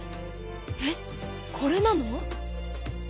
えっこれなの？